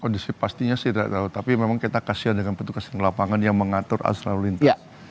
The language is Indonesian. kondisi pastinya sih tidak tahu tapi memang kita kasian dengan petugas lapangan yang mengatur arus lalu lintas